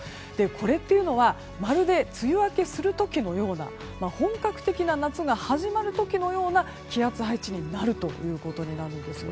これというのはまるで、梅雨明けする時のような本格的な夏が始まる時のような気圧配置になるということになるんです。